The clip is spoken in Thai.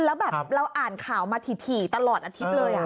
แล้วแบบเราอ่านข่าวมาถี่ตลอดอาทิตย์เลย